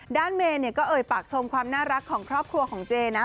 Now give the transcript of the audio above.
เมย์เนี่ยก็เอ่ยปากชมความน่ารักของครอบครัวของเจนะ